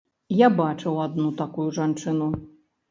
Я бачыў адну такую жанчыну.